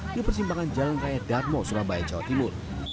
di persimpangan jalan raya darmo surabaya jawa timur